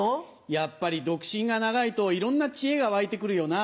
やっぱり独身が長いといろんな知恵が湧いて来るよな。